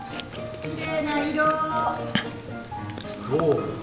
きれいな色！